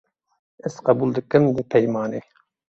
Ez qebûl dikim vê peymanê.